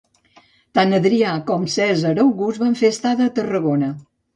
Tant Adrià com Cèsar August van fer estada a Tarragona.